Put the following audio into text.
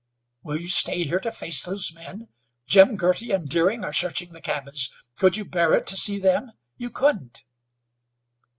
Will you stay here to face those men? Jim Girty and Deering are searching the cabins. Could you bear it to see them? You couldn't."